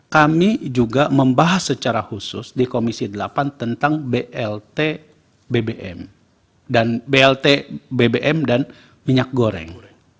kami juga membahas secara khusus di komisi delapan tentang blt bbm dan blt bbm dan minyak goreng